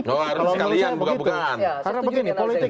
oh harus sekalian bukan bukan